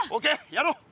やろう！